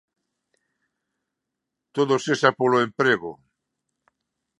Todo sexa polo emprego.